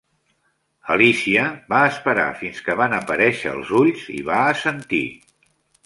Alícia va esperar fins que van aparèixer els ulls i va assentir.